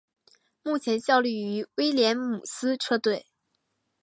目前效力于威廉姆斯车队。